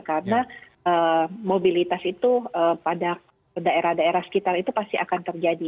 karena mobilitas itu pada daerah daerah sekitar itu pasti akan terjadi